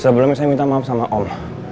sebelumnya saya minta maaf sama allah